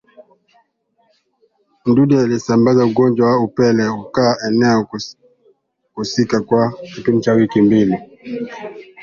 Mdudu anayesambaza ugonjwa wa upele hukaaa eneo husika kwa kipindi cha wiki mbili